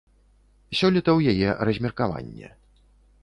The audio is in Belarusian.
Сёлета ў яе размеркаванне.